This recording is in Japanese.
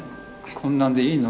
こんなんでいいの？